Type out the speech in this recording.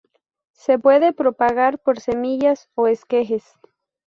Se puede propagar por semillas o esquejes.